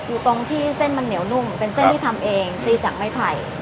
อยู่ตรงที่เส้นมันเหนียวนุ่มเป็นเส้นที่ทำเองตีจากไม้ไผ่